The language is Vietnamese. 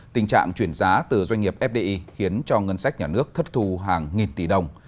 tình trạng chuyển giá từ doanh nghiệp fdi khiến cho ngân sách nhà nước thất thù hàng nghìn tỷ đồng